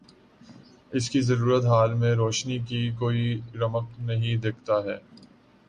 اس کی صورت حال میں روشنی کی کوئی رمق نہیں دیکھتا ہے۔